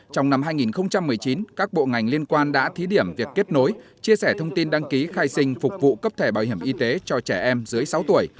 trong năm hai nghìn một mươi chín các bộ ngành liên quan đã thí điểm việc kết nối chia sẻ thông tin đăng ký khai sinh phục vụ cấp thẻ bảo hiểm y tế cho trẻ em dưới sáu tuổi